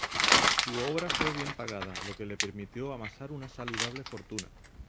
Su obra fue bien pagada, lo que le permitió amasar una saludable fortuna.